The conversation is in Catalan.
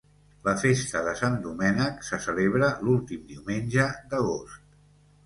La festa de Sant Domènec se celebra l'últim diumenge d'agost.